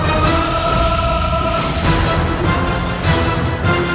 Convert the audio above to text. aku bisa membuka kitab ini